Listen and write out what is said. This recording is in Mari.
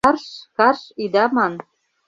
Карш-карш ида ман